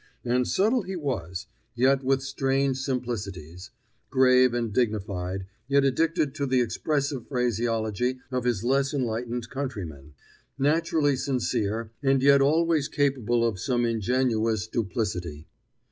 And subtle he was, yet with strange simplicities; grave and dignified, yet addicted to the expressive phraseology of his less enlightened countrymen; naturally sincere, and yet always capable of some ingenuous duplicity.